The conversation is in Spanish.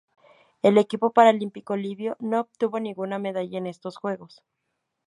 El equipo paralímpico libio no obtuvo ninguna medalla en estos Juegos.